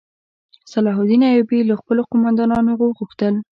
صلاح الدین ایوبي له خپلو قوماندانانو وغوښتل.